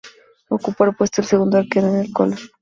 Ocupó el puesto de segundo arquero en el Colón.